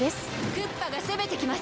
クッパが攻めてきます。